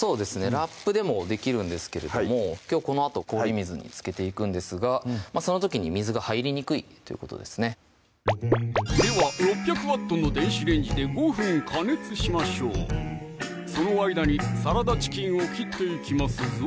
ラップでもできるんですけれどもきょうこのあと氷水につけていくんですがその時に水が入りにくいということですねでは６００Ｗの電子レンジで５分加熱しましょうその間にサラダチキンを切っていきますぞ